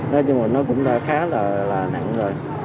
nói chung là nó cũng khá là nặng rồi